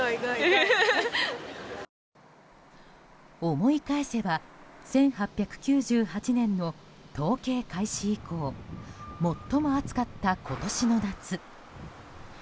思い返せば１８９８年の統計開始以降最も暑かった今年の夏。